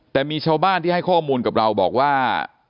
แต่มีชาวบ้านที่ให้ข้อมูลกับเราบอกว่า